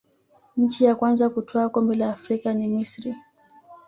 nchi ya kwanza kutwaa kombe la afrika ni misri